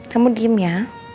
kamu diem ya